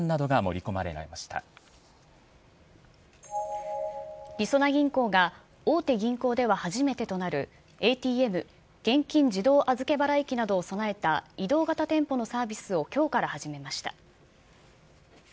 りそな銀行が、大手銀行では初めてとなる、ＡＴＭ・現金自動預払機などを備えた移動型店舗のサービスをきょうから始めました。